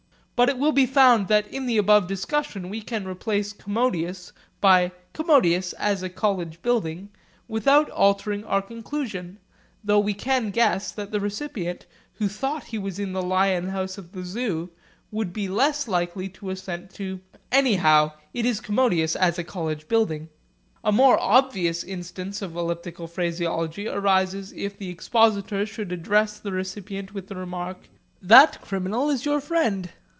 But it will be found that in the above discussion we can replace 'commodious' by 'commodious as a college building' without altering our conclusion; though we can guess that the recipient, who thought he was in the lion house of the Zoo, would be less likely to assent to. 'Anyhow, it is commodious as a college building.' A more obvious instance of elliptical phraseology arises if the expositor should address the recipient with the remark, 'That criminal is your friend.'